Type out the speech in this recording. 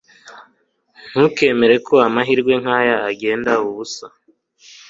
Ntukemere ko amahirwe nkaya agenda ubusa